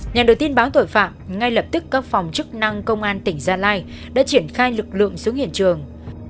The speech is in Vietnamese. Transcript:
nhà đầu tiên báo tội phạm ngay lập tức các phòng chức năng công an tỉnh gia lai đã triển khai lực lượng xuống hiện trường